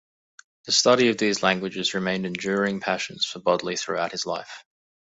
The study of these languages remained enduring passions for Bodley throughout his life.